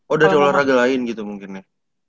oh dari olahraga lain gitu mungkin ya